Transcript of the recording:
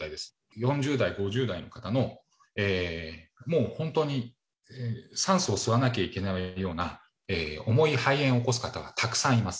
４０代、５０代の方の、もう本当に酸素を吸わなきゃいけないような、重い肺炎を起こす方がたくさんいます。